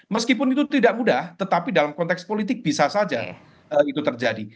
meskipun itu tidak mudah tetapi dalam konteks politik bisa saja itu terjadi